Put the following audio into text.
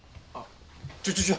あっ。